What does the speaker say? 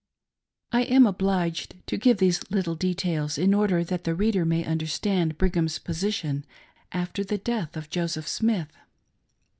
I am obliged to give these little details, in order that the reader may understand Brigham's position after the death of Joseph Smith.